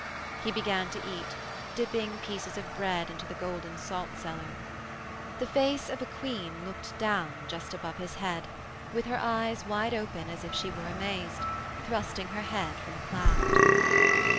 He began to eat, dipping pieces of bread into the golden salt cellar. The face of a queen looked down just above his head with her eyes wide open as if she were amazed, thrusting her head from a cloud.